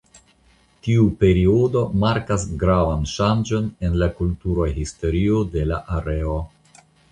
Tiu periodo markas gravan ŝanĝon en la kultura historio de la areo.